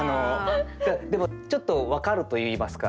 でもちょっと分かるといいますか。